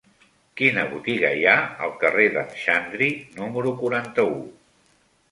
Quina botiga hi ha al carrer d'en Xandri número quaranta-u?